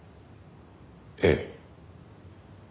ええ。